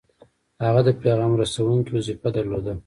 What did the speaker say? هغه د پیغام رسوونکي وظیفه درلوده.